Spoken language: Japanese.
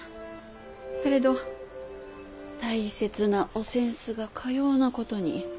されど大切なお扇子がかようなことに。